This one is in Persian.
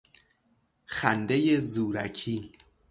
خندهی زورکی